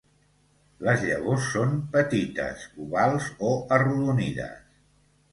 Les llavors són petites, ovals o arrodonides.